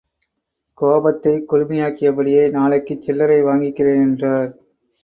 கோபத்தைக் குளுமையாக்கியபடியே, நாளைக்குச் சில்லறை வாங்கிக்கிறேன் என்றார்.